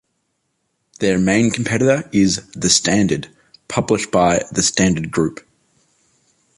Their main competitor is "The Standard", published by the Standard Group.